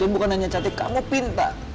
tapi bukan hanya cantik kamu pinta